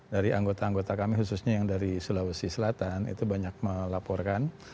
dari anggota anggota kami khususnya yang dari sulawesi selatan itu banyak melaporkan